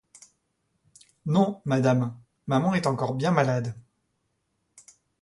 Non, Madame, maman est encore bien malade.